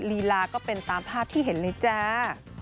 ลีลาก็เป็นตามภาพที่เห็นเลยจ้า